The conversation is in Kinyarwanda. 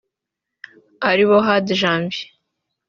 aribo Hadi Janvier